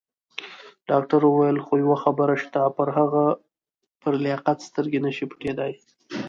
ډاکټر وویل: خو یوه خبره شته، پر هغه پر لیاقت سترګې نه شي پټېدای.